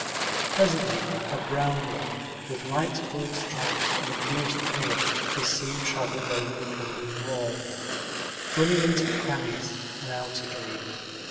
Presently a brown one, with light colored stripes and a bluish tail, is seen traveling over the crumbling wall, running into crannies and out again.